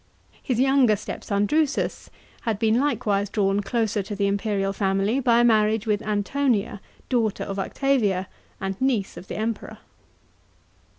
His younger step son Drusus had been likewise drawn closer to the imperial family by marriage with Antonia, daughter of Octavia, and niece of the Emperor.